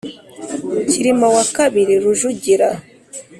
cyilima wa kabiri rujugira